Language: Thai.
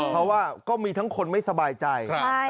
เพราะว่าก็มีทั้งคนไม่สบายใจ